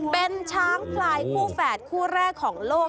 เป็นช้างพลายคู่แฝดคู่แรกของโลก